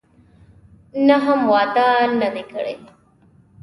نه، هم واده نه دی کړی.